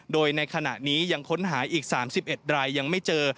โดยในขณะนี้ยังค้นหาอีก๓๑รายยังไม่เจอ